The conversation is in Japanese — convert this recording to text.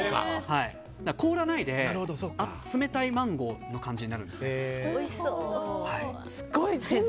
凍らないで冷たいマンゴーの感じになるんです。